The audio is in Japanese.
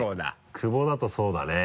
「久保」だとそうだね。